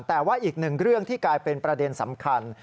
แต่ว่าอีกหนึ่งเรื่องที่กลายเป็นประเด็นสำคัญ